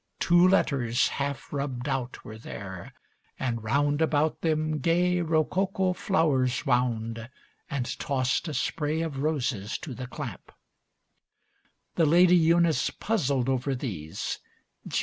Two letters half rubbed out were there, and round About them gay rococo flowers wound And tossed a spray of roses to the clamp. XIII The Lady Eunice puzzled over these.